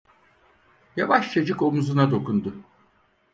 Yavaşçacık omuzuna dokundu.